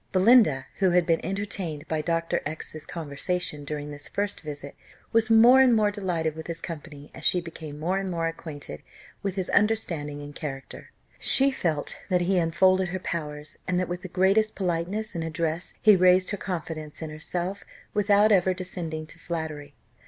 Belinda, who had been entertained by Dr. X 's conversation during this first visit, was more and more delighted with his company as she became more acquainted with his understanding and character. She felt that he unfolded her powers, and that with the greatest politeness and address he raised her confidence in herself, without ever descending to flattery.